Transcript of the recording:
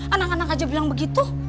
anak anak aja bilang begitu